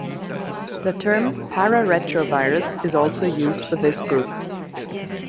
The term "pararetrovirus" is also used for this group.